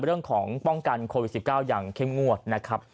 เรื่องของป้องกันโควิด๑๙อย่างเข้มงวดนะครับ